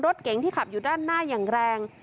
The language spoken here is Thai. รถเก๋งที่ขับอยู่ด้านหน้าอย่างแรง